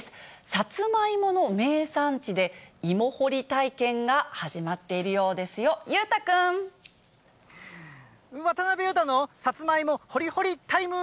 さつまいもの名産地で芋掘り体験が始まっているようですよ、渡辺裕太のさつまいも掘り掘りタイム。